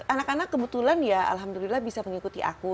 anak anak kebetulan ya alhamdulillah bisa mengikuti aku